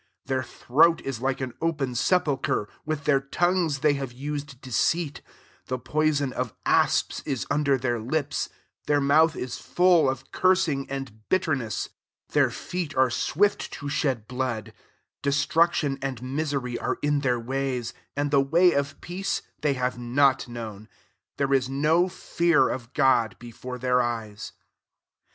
13 Their throat is Hke an open sepulchre; with their tongues they have used deceit; the poison of asps is undfer their lips: 14 their mouth is full of cursing and bitterness: 15 their feet are swift to shed blood: 16 de struction and misery are in their ways ; 17 and the way of peace they have not known : 18 there is no fear of God before their eyes."